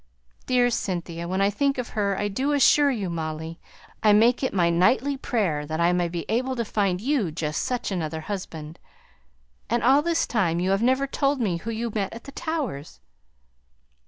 Dear Cynthia, when I think of her, I do assure you, Molly, I make it my nightly prayer that I may be able to find you just such another husband. And all this time you have never told me who you met at the Towers?"